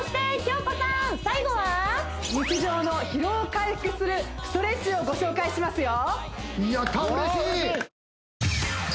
日常の疲労を回復するストレッチをご紹介しますよ